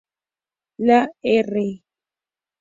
La R.·.